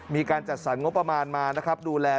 มีการจัดสรรงบประมาณมานะครับดูแล